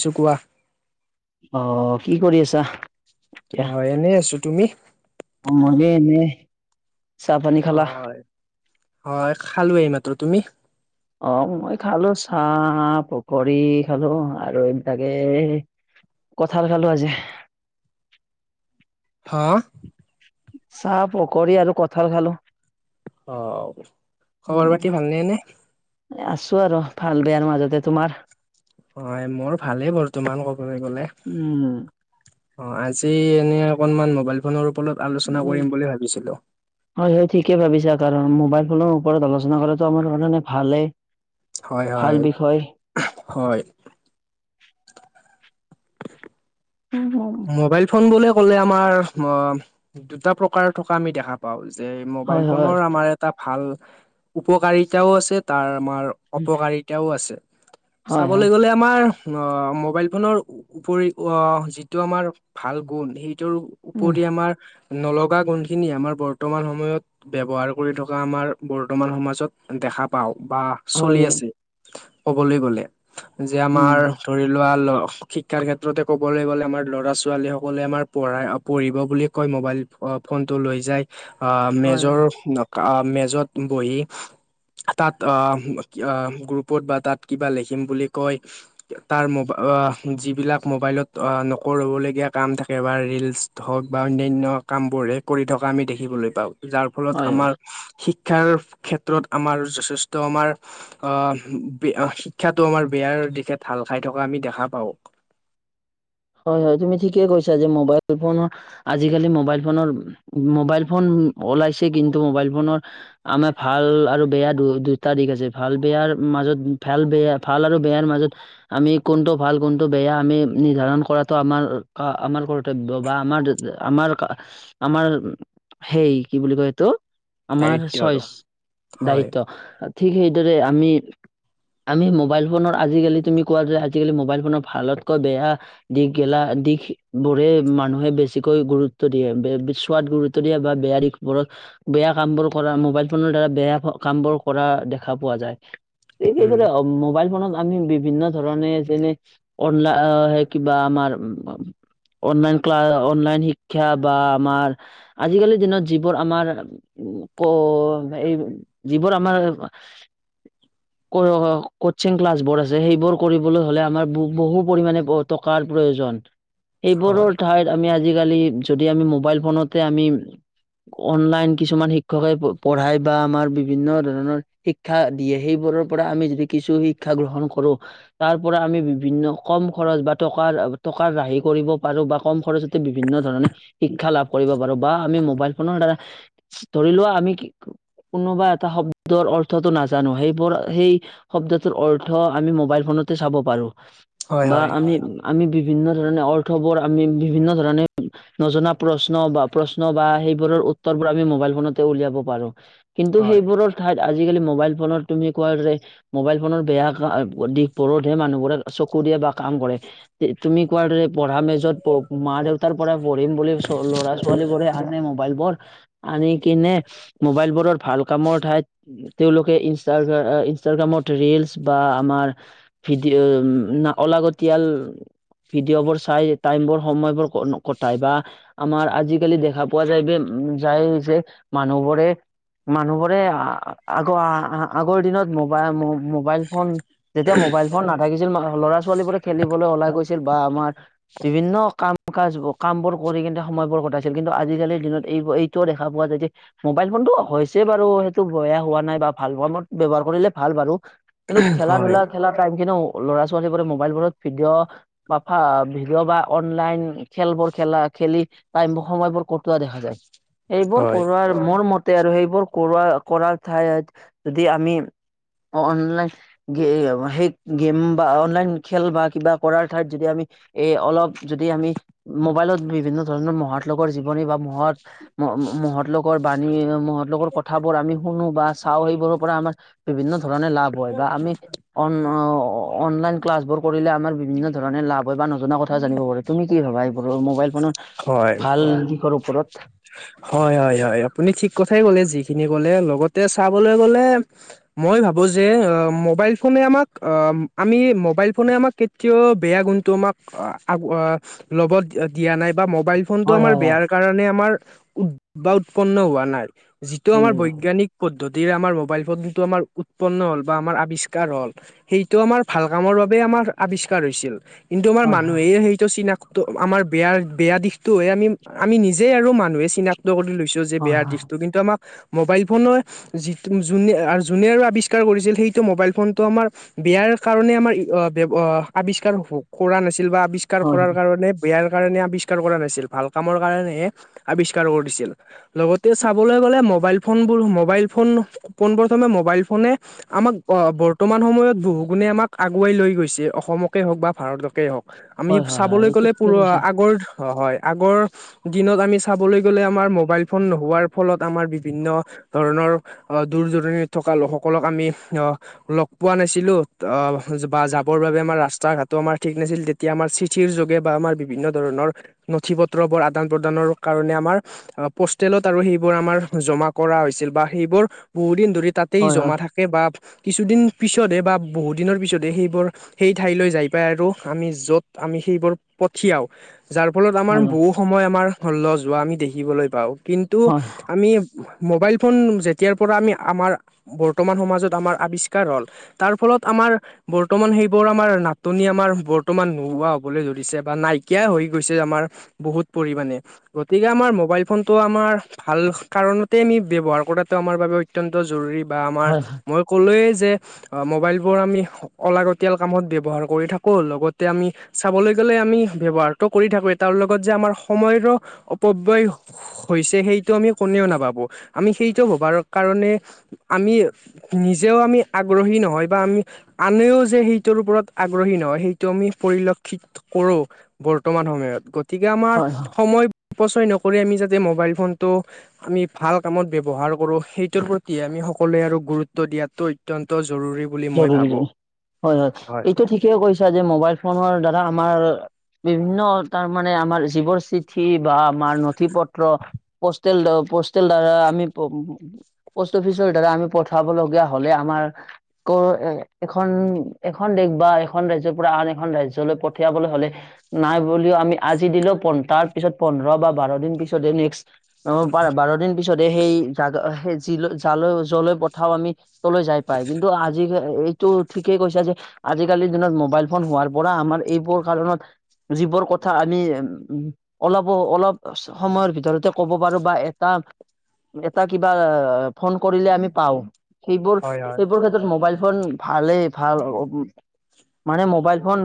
শুনিছো কোৱা অ কি কৰি আছা। এতিয়া হয় এনেই আছো তুমি মই যে এনে চাহ পানী খালা হয় হয় খালোৱে মাত্ৰ তুমি অ মই খালো চাহ পকৰী খালো আৰু এইবিলাকে কঁঠাল খালো আজি- হা চাহ পকৰী আৰু কঁঠাল খালো অ খবৰ উম পাতি ভালনে নে আছো আৰু ভাল বেয়াৰ মাজতে তোমাৰ হয় মোৰ ভালেই বৰ্তমান ক'বলৈ গলে উম অ আজি এনে অকনমান মোবাইল ফোনৰ ওপৰত উ আলোচনা কৰিম বুলি ভাবিছিলো হয় সে ঠিকে ভাবিছা আ কাৰণ মোবাইল ফোনৰ ওপৰত আলোচনা কৰাতো আমাৰ কাৰণে ভালেই হয় ভাল হয় বিষয় হয় [inaudible] মোবাইল ফোন বুলি ক'লে আমাৰ অ দুটা প্ৰকাৰ থকা আমি দেখা পাওঁ যে মোবাইল হয় হয় ফোনৰ আমাৰ এটা ভাল উপকাৰিতাও আছে তাৰ আমাৰ অপকাৰিতাও আছে হয় চাবলৈ হয় গ'লে আমাৰ মোবাইল ফোনৰ উপৰিও যিটো আমাৰ ভাল গুণ সেই টোৰ উম উপৰি আমাৰ নলগা গুণখিনি আমাৰ বৰ্তমান সময়ত ব্যৱহাৰ কৰি থকা আমাৰ বৰ্তমান সমাজত দেখা পাওঁ বা চলি হয় আছে কবলৈ গলে যে আমাৰ উম ধৰি ল বা শিক্ষাৰ ক্ষেত্ৰতে ক'বলৈ গ'লে আমাৰ ল'ৰা ছোৱালী সকলে আমাৰ পঢ়াই পঢ়িব বুলি কয় মোবাইল ফোন টো লৈ যায়। আহ হয় হয় মেজৰ মেজত বহি তাত গ্ৰুপত বা তাত কিবা লিখিম বুলি কৈ তাৰ ম অ যিবিলাক মোবাইলত আ ন নকৰিবলগীয়া কাম থাকে বা ৰিলচ হওক বা অন্যান্য কামবোৰহে কৰি থকা আমি দেখিবলৈ পাওঁ যাৰ ফলত হয় হয়। আমাৰ শিক্ষা শিক্ষাৰ ক্ষেত্ৰত আমাৰ যথেষ্ট আমাৰ শিক্ষাটো আমাৰ বেয়াৰ দিশে ঢাল খাই থকা আমি দেখা পাওঁ। হয় তুমি ঠিকেই কৈছা যে মোবাইল ফোনৰ আজিকালি মোবাইল ফোন ৰ ওলাইছে। কিন্তু, মোবাইল ফোনৰ আমাৰ ভাল আৰু বেয়া দুটা দিশ আছে। ভাল বেয়াৰ মাজত ভাল বেয়া ভাল আৰু বেয়াৰ মাজত আমি কোনটো ভাল কোনটো বেয়া আমি নিৰ্ধাৰণ কৰাটো আমাৰ আমাৰ কৰ্তব্য বা আমাৰ আমাৰ আমাৰ সেই কি বুলি কয় এইটো আমাৰ দায়িত্ব আৰু চইচ, হয় দায়িত্ব। ঠিক সেইদৰে আমি আমি মোবাইল ফোনৰ আজিকালি তুমি কোৱা যে আজিকালি মোবাইল ফোনৰ ভালতকৈ বেয়া দিশ গেলা দিশ বোৰে মানুহে বেছিকৈ গুৰুত্ব দিয়ে। সোৱাদ গুৰুত্ব দিয়ে বা য়ত বেয়া কাম বোৰ কৰা মোবাইল ফোনৰ দ্বাৰা বেয়া কাম বোৰ কৰা দেখা পোৱা যায়। উম সেইদৰে মোবাইল ফোনত আমি বিভিন্ন ধৰণে যেনে অনলাই কিবা আমাৰ অনলাইন ক্লাছ অনলাইন শিক্ষা বা আমাৰ আজিকালিৰ দিনত যিবোৰ আমাৰ উম, ক এই যিবোৰ আমাৰ কচিং ক্লাছ বোৰ আছে সেইবোৰ কৰিবলৈ হলে আমাৰ বহু পৰিমাণে টকাৰ প্ৰয়োজন। এইবোৰৰ হয় ঠাইত আমি আজি আজিকালি যদি আমি মোবাইল ফোনতে আমি অনলাইন কিছুমান শিক্ষকে পঢ়ায় বা আমাৰ বিভিন্ন ধৰণৰ শিক্ষা দিয়ে। সেইবোৰ পৰা আমি যদি কিছু শিক্ষা গ্ৰহণ কৰো, তাৰ পৰা আমি বিভিন্ন কম খৰচ বা টকাৰ, টকাৰ ৰাহি কৰিব পাৰো। বা কম খৰচতে বিভিন্ন ধৰণে শিক্ষা লাভ কৰিব পাৰো। বা আমি মোবাইল ফোনৰ দ্বাৰা ধৰি লোৱা আমি কি কোনোবা এটা শব্দৰ অৰ্থটো নাজানো সেইবোৰ সেই শব্দটোৰ অৰ্থ আমি মোবাইল ফোন তো চাব পাৰো। হয় বা হয় আমি আমি বিভিন্ন ধৰণে অৰ্থবোৰ আমি বিভিন্ন ধৰণে নজনা প্ৰশ্ন বা প্ৰশ্ন বা সেইবোৰৰ উত্তৰবোৰ আমি মোবাইল ফোনতে উলিয়াব পাৰো। কিন্তু হয় সেইবোৰৰ ঠাইত আজিকালি মোবাইল ফোনত তুমি কোৱা যে, মোবাইল ফোনৰ বেয়া দিশ বোৰতহে মানুহবোৰে চকু দি বা কাম কৰে তুমি কোৱাৰ দৰে পঢ়া মেজত মা দেউতাৰ পৰা পঢ়িম বুলি চ ল'ৰা-ছোৱালী বোৰে আনে মোবাইল বোৰ আনি কিনে মোবাইল বোৰৰ ভাল কামৰ ঠাইত তেওঁলোকে ই ইন্ষ্ট্ৰাগ্ৰামত ৰিলচ বা আমাৰ উম, অলাগতিয়াল ভিডিঅ' বোৰ চাই টাইম বোৰ সময়বোৰ কটাই বা আমাৰ আজিকালি দেখা পোৱা যায়। যাই যে মানুহবোৰে মানুহবোৰে আগৰ আগৰ দিনত মবাইল মোবাইল ফোন যেতিয়া মোবাইল ফোন নাথাকিছিল ল'ৰা-ছোৱালীবোৰে খেলিবলৈ ওলাই গৈছিল। বা আমাৰ বিভিন্ন কাম কাম বোৰ কৰি কিন্তু সময়বোৰ ঘটাইছিল কিন্তু আজিকালিৰ দিনত এইবোৰ এইটোও দেখা পোৱা যায় যে, মোবাইল ফোন টো হৈছে বাৰু সেইটো বেয়া হোৱা নাই বা ভাল কামত ব্যৱহাৰ কৰিলে ভাল বাৰু। কিন্তু হয় খেলা-ধূলা খেলা টাইম খিনিও ল'ৰা ছোৱালীবোৰে মোবাইলবোৰত ভিডিঅ' বা ভিডিঅ' বা অনলাইন খেলবোৰ খেলা খেলি টাইমোৰ সময়বোৰ কটোৱা দেখা যায়। এইবোৰ হয় কৰোৱাৰ মোৰ মত আৰু সেইবোৰ কৰোৱা কৰাৰ ঠাইত যদি আমি অঁ, অনলাইন সেই গেম বা অনলাইন খেল বা কিবা কৰাৰ ঠাইত যদি আমি এ, অলপ যদি আমি মোবাইলত বিভিন্ন ধৰণৰ মহৎ লোকৰ জীবনী বা মহত মহৎ লোকৰ বাণী ৰ কথাবোৰ আমি শুনো বা চাওঁ সেইবোৰৰ পৰা আমাৰ বিভিন্ন সেই টো কাৰণে লাভ হয় আমি অনলাইন অঁ অনলাইন কালক্ৰমত ধৰণে লাভ হয় বা নজনা কথা জানিব পাৰা তুমি কি ভাবা এইবোৰৰ মোবাইল ফোনৰ হয় ভাল দিশৰ ওপৰত হয় হয় হয় আপুনি ঠিক কথাই কলে যিখিনি কলে লগতে চাবলৈ গ'লে মই ভাবো যে মোবাইল ফোনে আমাক আমি মোবাইল ফোনে আমাক কেতিয়াও বেয়া অঁ তোমাক আঁ আঁ লগত দি দিয়া নাই বা মোবাইল ফোনটো হয়, আমাৰ হয়, হয়। বেয়াৰ কাৰণে আমাৰ বা উৎপন্ন হোৱা নাই যিটো আমাৰ উম, বৈজ্ঞানিক প যদি আমাৰ মোবাইল ফোনটো আমাৰ উৎপন্ন হ'ল বা আমাৰ আবিষ্কাৰ হ'ল সেইটো আমাৰ ভাল কামৰ বাবে আমাৰ আৱিষ্কাৰ হৈছিল। কিন্তু আমাৰ হয়, হয়, মানুহে সেইটো চিনাকো আমাৰ বেয়া বেয়া দিশতোে আমি আমি নিজে আৰু মানুহ চিনাক্ত কৰি লৈছো যে হয়, বেয়া দিশটো কিন্তু আমাক মোবাইল ফোনে যি যোনে যোনে আৰু আৱিষ্কাৰ কৰিছিল সেইটো মোবাইল ফোনটো আমাৰ বেয়াৰ কাৰণে আমাৰ আৱিষ্কাৰ কৰা নাছিল বা আৱিষ্কাৰ হয়, কৰাৰ কাৰণে বেয়াৰ কাৰণে আৱিষ্কাৰ কৰা নাছিল ভাল কামৰ কাৰণেহে। আৱিষ্কাৰ কৰিছিল লগতে চাবলৈ গলে মবাইল ম ফোন মল ফনে আম বৰ্ত সময়ত ব আমাক আগুৱাই লৈ গৈছে অসমকে হওক বা ভাৰতকে হওক। আমি হয়, হয়, হয়, চাবলৈ এইটো গ'লে প ঠিকে কৈছা। আগৰ হয় আগৰ দিনত আমি। চাবলৈ গলে আমাৰ মোবাইল ফোন নোহোৱাৰ ফলত আমাৰ বিভিন্ন ধৰণৰ দূৰ দৰণিত থকা কা লোকসকলক আমি অ লগ পোৱা নাছিলো অ বা যাবৰ বাবে আমাৰ ৰাস্তা ঘ আমাৰ ঠিক নাছিল তেতিয়া আমাৰ চিঠিৰ যোগে বা আমাৰ বিভিন্ন ধৰণৰ নথি পত্ৰ বোৰ আদান প্ৰদানৰ কাৰণে আমাৰ আঁ হোষ্টেলত আৰু সেই বোৰ আমাৰ জমা কৰা হৈছে বা সেই বোৰ বহুত দিন ধৰি তাতেই হয়, হয়, জমা থাকে বা কিছুদিন পিছতহে বা বহুত দিনৰ পিছতহে সেইবোৰ সেই ঠাইলৈ যাই পাই আৰু আমি য'ত আমি সেইবোৰ পঠিয়াওঁ। যাৰ ফলত আমাৰ হয়, বহু সময় আমাৰ লজ হোৱা আমি দেখিবলৈ পাওঁ কিন্তু হয়, আমি মোবাইল ফোন যেতিয়াৰ পৰা আমি আমাৰ বৰ্তমান সমাজত আমাৰ আৱিষ্কাৰ হ'ল তাৰ ফলত আমাৰ আমাৰ বৰ্তমান সেইবোৰ আমাৰ নাটনি আমাৰ বৰ্তমান নোহোৱা হবলৈ ধৰিছে বা নাইকিয়াই হৈ গৈ হৈছে আমাৰ বহুত পৰিমাণে গতিকে আমাৰ মোবাইল ফোনটোটো আমাৰ ভাল কাৰণতে আমি ব্যৱহাৰৰ কৰাটো আমাৰ বাবে অত্যন্ত জৰুৰী। বা আমাৰ হয়, মই কলোৱে মোবাইল বোৰ আমি লাগতিয়াল কামত ব্যৱহাৰ কৰি থাকোঁ লগতে আমি চাবলৈ গলে যে আমি ব্যৱহাৰটো কৰি থাকো তাৰ লগত যে আমাৰ সময়ৰো অপব্যয় হৈছে সেইটো আমি কোনেও নাভাবো আমি সেইটো ভবাৰ কাৰণে আমি নিজেও আমি আগ্ৰহী নহয় বা আমি আনেও যে সেইটোৰ ওপৰত আগ্ৰহী নহয় সেইটো আমি পৰিল কৰো বৰ্তমান সময়ত গতিকে আমাৰ হয়, হয়, সময় অপচয় নকৰি আমি যাতে মোবাইল ফোনটো আমি ভাল কামত ব্যৱহাৰ কৰোঁ সেইটোৰ প্ৰতি আমি সকলোৱে আৰু গুৰুত্ব দিয়াতটো অত্যন্ত জৰুৰী বুলি মই জৰুৰী ভাবোঁ। হয় হয় এইটো ঠিকেই কৈছা যে মোবাইল ফোনৰ দ্বাৰা আমাৰ বিভিন্ন তাৰমানে আমাৰ যিবোৰ চিঠি বা আমাৰ নথি পত্ৰ পষ্টেল পষ্টেল দ্বাৰা আমি পোষ্ট অফিচৰ দ্বাৰা আমি পঠাবলগীয়া হ'লে আমাৰ ক এ এখন এখন দেশ বা এখন ৰাজ্যৰ পৰা আন এখন ৰাজ্যলৈ পঠিয়াবলৈ হ'লে নাই বুলিও আমি আজি দিলেও তাৰ পিছত পোন্ধৰ বা বাৰ দিন পিছত নেক্স পাৰ বাৰ দিন পিছতে সেই জাগা সেই জ যালৈ যলৈ পঠাও আমি তলৈ যাই পাই কিন্তু আজিাল এইটো ঠিকেই কৈছা যে এইটো ঠিকে কৈছা যে আজিকালিৰ দিনত মোবাইল ফোন হোৱাৰ পৰা আমাৰ এইবোৰ কাৰণত যিবোৰ কথা আমি অলপো অলপ সময়ৰ ভিতৰতে ক'ব পাৰো বা এটা এটা কিবা ফোন কৰিলে আমি পাওঁ। সেইবোৰ হয় হয় সেইবোৰ ক্ষেত্ৰত মোবাইল ফোন ভালেই ভাল মানে মোবাইল ফোন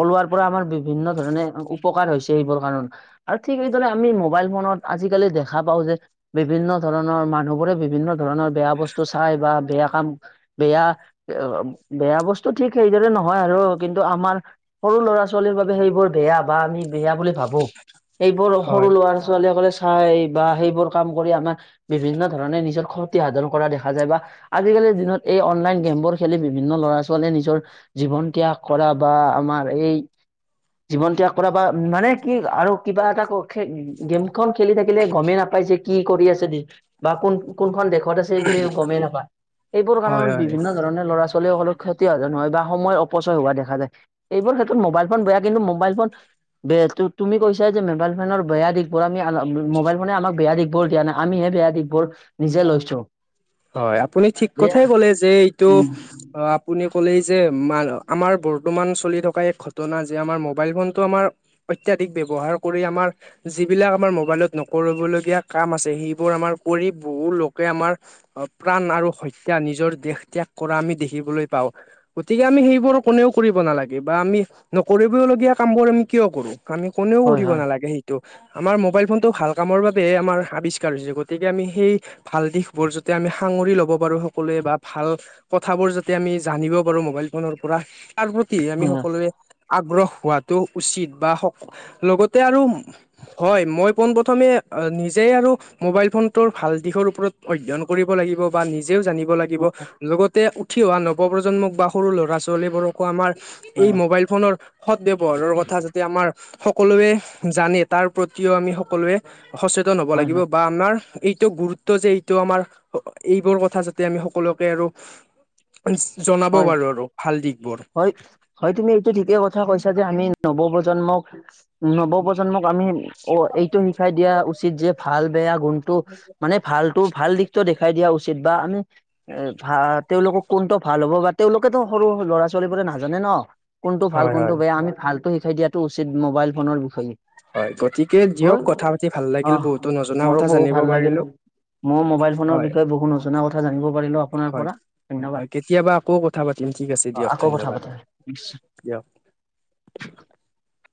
ওলোৱাৰ পৰা আমাৰ বিভিন্ন ধৰণে উপকাৰ হৈছে এইবোৰ কাৰণত আৰু ঠিক এইদৰে আমি মোবাইল ফোনত আজিকালি দেখা পাও যে বিভিন্ন ধৰণৰ মানুহবোৰে বিভিন্ন ধৰণৰ বেয়া বস্তু চাই বা বেয়া কাম বেয়া, বেয়া বস্তু ঠিক সেইদৰে নহয় আৰু কিন্তু আমাৰ সৰু ল'ৰা। লৰা ছোৱালীৰ বাবে সেইবোৰ বেয়া বা আমি বেয়া বুলি ভাবো, এইবোৰ সৰু হয় ল'ৰা ছোৱালীসকলে। চাই বা সেইবোৰ কাম কৰি আমাৰ বিভিন্ন ধৰণে নিজৰ ক্ষতি সাধন কৰা দেখা যায়। বা আজিকালিৰ দিনত। এই অনলাইন গেমবোৰ খেলি বিভিন্ন ল'ৰা ছোৱালীয়ে নিজৰ জীৱন ত্যাগ কৰা বা আমাৰ এই। জীৱন ত্যাগ কৰা বা মানে কি আৰু কিবা এটা খ গেম খ খেলি থাকিলে গমেই নাপায়। পাইছে কি কৰি আছে দ বা কোন কোনখন দেখ। ত আছে গমেই নাপায়, এইবোৰ হয় কাৰণত হয়। বিভিন্ন ধৰণে ল'ৰা। ল'ৰা ছোৱালীসকল ক্ষতি সাধজন হয় বা সময়ৰ অপচয় হোৱা দেখা যায় এইবোৰ ক্ষেত্ৰত মোবাইল ফোন বেয়া কিন্তু মোবাইল ফোন। বয়া তুমি কৈছা যে মোবাইল ফোনৰ বেয়া দিশ বোৰ আমি মোবাইল ফোনে আমাক বেয়া দিশ বোৰ দিয়া নাই আমি। বেয়া দিশ বোৰ নিজে লৈছো। হয় আপুনি ঠিক কথাই কলে যে এইটো উম অ আপুনি। ক'লে যে আমাৰ বৰ্তমান চলি থকা এক ঘটনা যে আমাৰ মোবাইল ফোনটো আমাৰ। ৱহাৰ আমাৰ যিবিলাক আম মবাইলত নকবলগীয়া কাম আছে সেইবোৰ আমাৰ। বহু লোকে আমাৰ। প্ৰাণ আৰু হত্যা নিজৰ দেশ ত্যাগ কৰা আমি দেখিবলৈ পাওঁ, গতিকে আমি সেইবোৰ কোনেও। কৰিব নালাগে বা আমি নকৰিবওলগীয়া কাম বোৰ আমি কিয় কৰো আমি কোনেও হয় কৰিব হয় নালাগে সেইটো। আমাৰ মোবাইল ফোনটো ভাল কামৰ বাবে আমাৰ আৱিষ্কাৰ হৈছে গতিকে আমি সেই ভাল দিশ বোৰ য। যাতে আমি সাঙৰি ল'ব পাৰো সকলোৱে বা ভাল কথাবোৰ যাতে আমি জানিব পাৰো মোবাইল ফোনৰ পৰা। তাৰ প্ৰতি আমি হয় হয় সকলোৱে আগ্ৰহ- হোৱাামতটো উচিত বা লগতে আৰু হয় মই পোন প্ৰথমে নিজ। যে আৰু মোবাইল ফোনটোৰ ভাল দিশৰ ওপৰত অধ্যয়ন। কৰিব লাগিব বা নিজেও জানিব লাগিব লগতে। উঠি অোৱা নৱপ্ৰজন্মক বা সৰু ল'ৰা ছোৱালীবোৰকো আমাৰ। এই হয় মোবাইল ফোনৰ সৎ ব্যৱহাৰৰ কথা যাতে আমাৰ। সকলোৱে জানে তাৰ প্ৰতিও আমি সকলোৱে সচেতন হ'ব হয় লাগিব হয় বা আমাৰ। এইটো গুৰুত্ব যে এইটো আমাৰ এইবোৰ কথা যাতে আমি সকলোকে আৰু। জনাব হয় পাৰো আৰু ভাল। দিশবোৰ হয় হয় তুমি এইটো ঠিকেই কথা কৈছা যে আমি নৱ প্ৰজন্মক। নৱপ্ৰজন্মক আমি অ এইটো শিকাই দিয়া উচিত যে ভাল বেয়া। গুণটো মানে ভাল টো ভাল দি। দেখাই দিয়া উচিত বা, আমি এ ভা তেওঁলোকক কোনটো ভাল হ'ব বা তেওঁলোকেতো সৰু ল'ৰা- ছোৱালী বোৰে নাজানে ন, কোনটো ভাল হয় কোনটো হয় বেয়া আমি ভাল টো শিকাই দিয়াটো উচিত মোবাইল ফোনৰ বিষয়ে। হয় গতিকে দিয়ক হয় কথা পাতি ভাল অ লাগিল বহুতো নজনা মোৰো কথা বহু জানিব ভাল লাগিল পাৰিলো। মই মোবাইল ফোনৰ হয় বিষয়ে বহুত নজনা কথা জানিব পাৰিলো আপোনাৰ হয় পৰা হয় ধন্যবাদ। কেতিয়াবা আকৌ কথা পাতিম ঠিক আছে অ দিয়ক আকৌ ধন্যবাদ দিয়ক। উম। [inaudible]